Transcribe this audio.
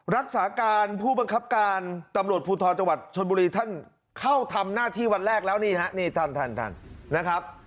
รักษาการผู้บังคับการตำรวจภูทรจังหวัดชนบุรีท่านเข้าทำหน้าที่วันแรกแล้วนี่ฮะนี่ท่านท่านนะครับ